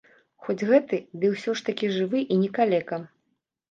Хоць гэты, ды ўсё ж такі жывы і не калека.